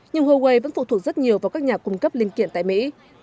nhưng huawei vẫn phụ thuộc rất nhiều vào các nhà cung cấp linh kiện tại mỹ